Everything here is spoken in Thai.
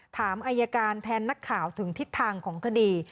ถามอายการแทนนักข่าวถึงทิศทางของคดี